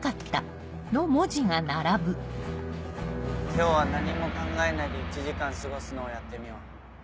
今日は何も考えないで１時間過ごすのをやってみよう。